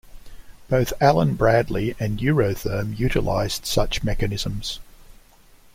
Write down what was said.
Both Allen Bradley and Eurotherm utilised such mechanisms.